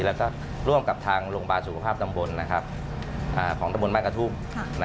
แล้วก็ร่วมกับทางโรงพยาบาลสุขภาพตำบลของตำบลบ้านกระทุ่ม